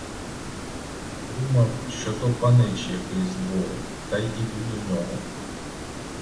Я думав, що то панич який з двору та й іду до нього.